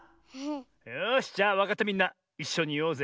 よしじゃあわかったみんないっしょにいおうぜ！